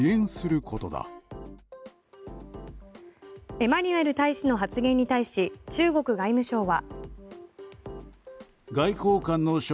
エマニュエル大使の発言に対し中国外務省は。